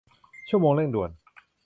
ชั่วโมงเร่งด่วน